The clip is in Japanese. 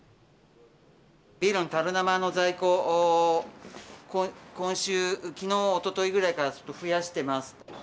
ビールのたる生の在庫、今週、きのう、おとといぐらいから増やしてます。